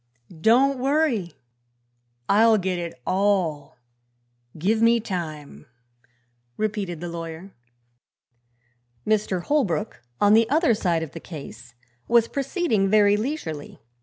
"Don't worry; I'll get it all; give me time," repeated the lawyer. Mr. Holbrook, on the other side of the case, was proceeding very leisurely.